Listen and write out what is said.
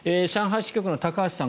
支局の高橋さん